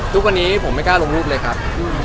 ทุกวันนี้ผมไม่กล้าลงรูปเลยครับ